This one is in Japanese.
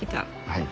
はい。